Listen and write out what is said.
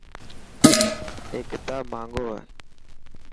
اي ڪتاب ماهنگو هي.